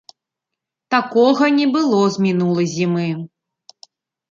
Такога не было з мінулай зімы.